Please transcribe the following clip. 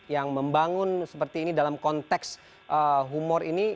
yang membangun seperti ini dalam konteks humor ini